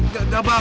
gak ada bang